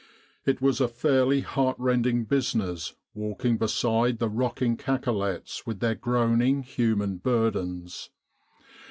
It was a fairly heart rending business walking beside the rocking cacolets with their groaning human burdens.